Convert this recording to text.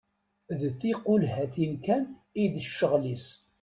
D tiqulhatin kan i d ccɣel-is.